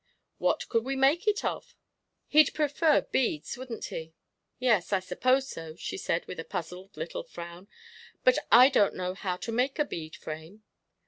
"What could we make it of?" "He'd prefer beads, wouldn't he?" "Yes, I suppose so," she said, with a puzzled little frown; "but I don't know how to make a bead frame."